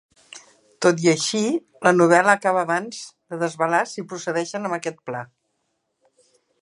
Tot i així, la novel·la acaba abans de desvelar si procedeixen amb aquest pla.